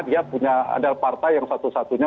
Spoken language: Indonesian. dia punya adalah partai yang satu satunya